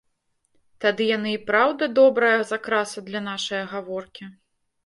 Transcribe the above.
Тады яны і праўда добрая закраса для нашае гаворкі.